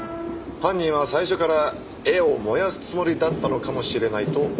犯人は最初から絵を燃やすつもりだったのかもしれないとお考えでは？